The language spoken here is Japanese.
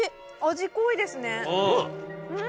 味濃いですね。